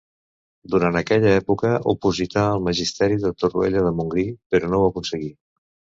Durant aquella època oposità al magisteri de Torroella de Montgrí, però no ho aconseguí.